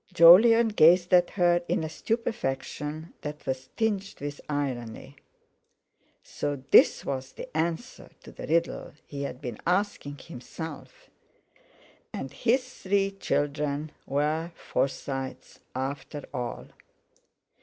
Jolyon gazed at her in a stupefaction that was tinged with irony. So this was the answer to the riddle he had been asking himself; and his three children were Forsytes after all.